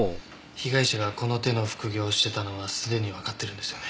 被害者がこの手の副業をしてたのはすでにわかってるんですよね？